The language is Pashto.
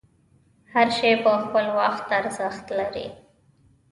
هر شی په خپل وخت ارزښت لري.